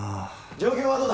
状況はどうだ？